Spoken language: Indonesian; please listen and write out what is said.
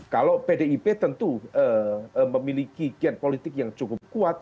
kalau pdip tentu memiliki gen politik yang cukup kuat